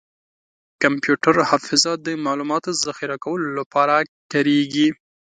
کمپیوټر حافظه د معلوماتو ذخیره کولو لپاره کارېږي.